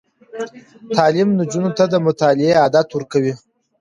تعلیم نجونو ته د مطالعې عادت ورکوي.